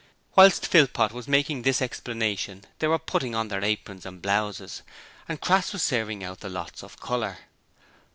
Whilst Philpot was making this explanation they were putting on their aprons and blouses, and Crass was serving out the lots of colour.